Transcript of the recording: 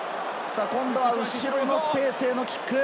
後ろのスペースへのキック。